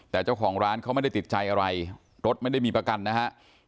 แต่เจ้าของร้านเขาไม่ได้ติดใจอะไรรถไม่ได้มีประกันนะฮะ